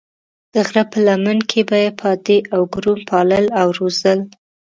د غره په لمن کې به یې پادې او ګورم پالل او روزل.